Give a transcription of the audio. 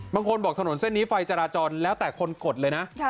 บางคนบอกถนนเส้นนี้ไฟจราจรแล้วแต่คนกดเลยนะ